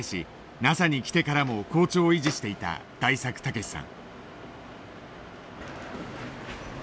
ＮＡＳＡに来てからも好調を維持していた大作毅さん。